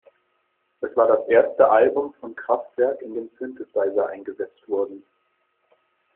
Es war das erste Album von Kraftwerk, in dem Synthesizer eingesetzt wurden.